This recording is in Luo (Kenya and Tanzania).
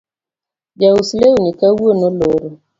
Jaus lewni kawuono oloro